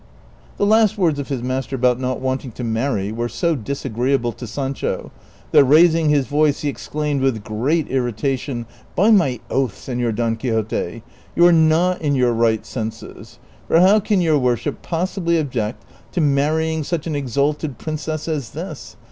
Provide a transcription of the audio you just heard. The last words of his master about not wanting to marry were so disagreeable to Sancho that raising his voice he ex claimed with great irritation, '' By my oath, Senor Don Qui xote, you are not in your right senses ; for how can your worship possibly object to marrying such an exalted princess as this